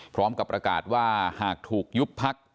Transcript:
พร้อมกับประกาศว่าหากถูกยุบพัก